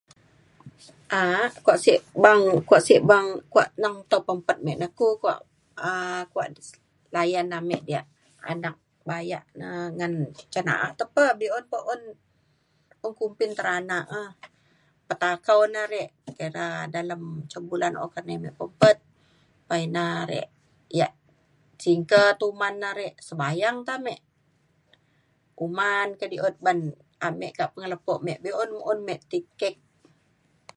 A’ak kuak sek beng kuak sek beng kuak neng tau pempet me na ku kuak um kuak layan ame diak anak bayak na ngan ca na’a te pe be’un pe un un kumbin teranak e. Petakau na re kira dalem ca bulan ukat na me pempet pa ina re yak [unintelligible] tuman na re sebayang ta ame kuman kedi’ut ban ame kak pengelepo me be’un un me ti cake